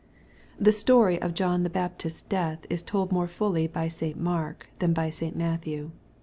The story of John the Baptist's death is told more fully by St. Mark than by St. Matthew.